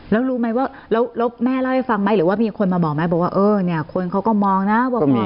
แล้วรู้ไหมว่าแล้วแม่เล่าให้ฟังไหมหรือว่ามีคนมาบอกไหมบอกว่าเออเนี่ยคนเขาก็มองนะว่า